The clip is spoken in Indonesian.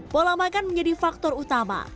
pola makan menjadi faktor utama